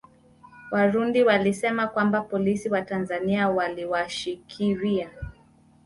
Warundi walisema kwamba polisi wa Tanzania waliwashikiria